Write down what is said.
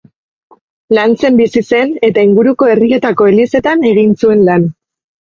Lantzen bizi zen eta inguruko herrietako elizetan egin zuen lan.